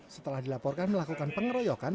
setelah dilaporkan melakukan pengeroyokan